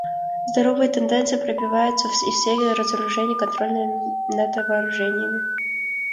Здоровые тенденции пробиваются и в сфере разоружения, контроля над вооружениями.